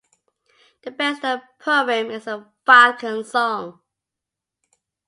The best known poem is the "falcon song".